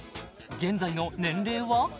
現在の年齢は？